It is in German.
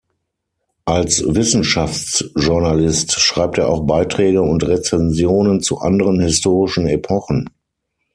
Als Wissenschaftsjournalist schreibt er auch Beiträge und Rezensionen zu anderen historischen Epochen.